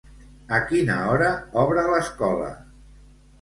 A quina hora obre l'escola?